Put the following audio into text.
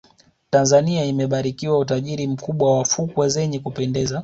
tanzania imebarikiwa utajiri mkubwa wa fukwe zenye kupendeza